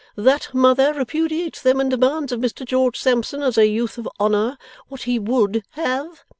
That mother repudiates them, and demands of Mr George Sampson, as a youth of honour, what he WOULD have?